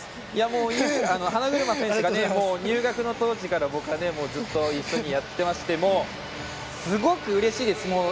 もう花車選手が入学の当時から僕はずっと一緒にやってましてもう、すごくうれしいです。